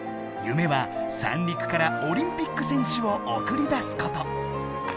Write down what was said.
夢は三陸からオリンピック選手をおくり出すこと！